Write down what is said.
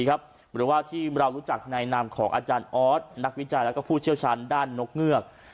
หรือว่าที่เรารู้จักในนามของอาจารย์ออสนักวิจัยและผู้เชี่ยวชาญด้านนกเงือก